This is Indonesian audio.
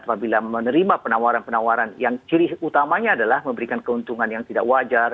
apabila menerima penawaran penawaran yang ciri utamanya adalah memberikan keuntungan yang tidak wajar